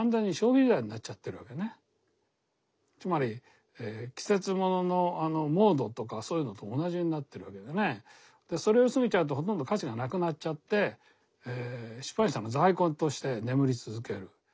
つまり季節物のモードとかそういうのと同じになっているわけでねそれを過ぎちゃうとほとんど価値がなくなっちゃって出版社の在庫として眠り続ける。